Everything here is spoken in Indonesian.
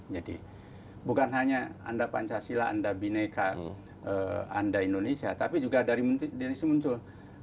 jadi bukan hanya anda pancasila anda mineka anda indonesia tapi juga dari diri sendiri muncul